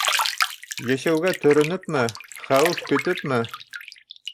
Йәшәүгә төрөнөпмө, хәүеф көтөпмө?